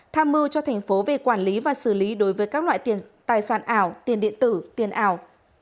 tham mưu cho thành phố về quản lý và xử lý đối với các loại tài sản ảo tiền điện tử tiền ảo